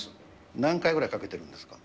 何回ぐらいかけているんですか？